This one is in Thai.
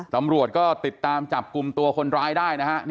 ตำรวจก็ติดตามจับกลุ่มตัวคนร้ายได้นะฮะ